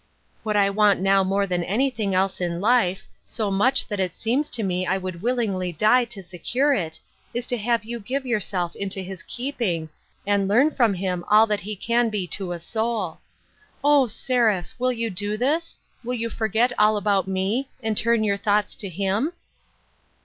What I want now more than anything else in life — so much that it seems to me I would willingly die to secure it — is to have you give yourself into his keeping, and learn from Him all that He can be to a soul. O, Seraph ! will you do this ? Will you forget all about me, and turn your thoughts to Him